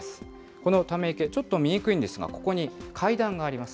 このため池、ちょっと見にくいんですが、ここに階段があります。